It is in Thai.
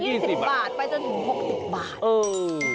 แบบนี้๒๐บาทไปจนถึง๖๐บาท